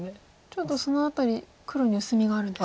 ちょっとその辺り黒に薄みがあるんですか。